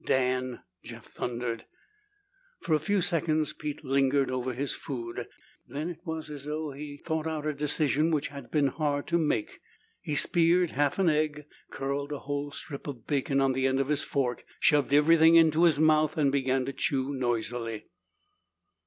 "Dan!" Jeff thundered. For a few seconds Pete lingered over his food. Then it was as though he had thought out a decision which had been hard to make. He speared half an egg, curled a whole strip of bacon on the end of his fork, shoved everything into his mouth and began to chew noisily.